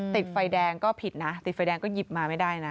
ติดไฟแดงก็ผิดนะติดไฟแดงก็หยิบมาไม่ได้นะ